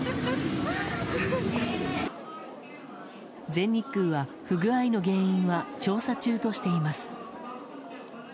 全日空は、不具合の原因は調査中としています。